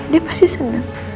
dia pasti seneng